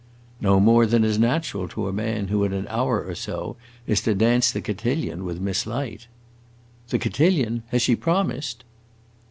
"No more than is natural to a man who in an hour or so is to dance the cotillon with Miss Light." "The cotillon? has she promised?"